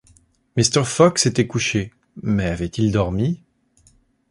Mr. Fogg s’était couché, mais avait-il dormi?